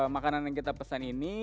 makanan yang kita pesan ini